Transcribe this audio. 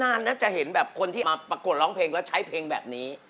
นานนะจะเห็นแบบคนที่มาประกวดร้องเพลงแล้วใช้เพลงแบบนี้